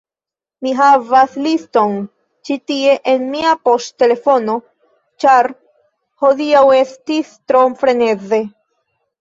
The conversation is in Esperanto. Mi havas liston ĉi tie en mia poŝtelefono ĉar hodiaŭ estis tro freneze